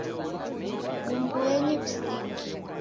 Dumbueni visiki